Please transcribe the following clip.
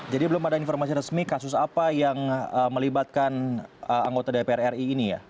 jadi belum ada informasi resmi kasus apa yang melibatkan anggota dpr ri ini ya